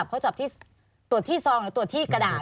เขาจับที่ตรวจที่ซองหรือตรวจที่กระดาษ